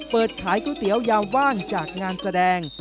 เปิดขายก๋วยเตี๋ยวยาวว่างจากงานแสดง